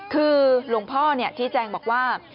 คือลุงพ่อนี่ที่แจงบอกว่า